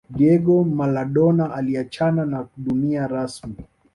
Diego Maladona aliacahana na dunia rasmi